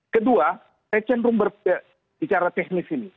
kedua saya cenderung berbicara teknis ini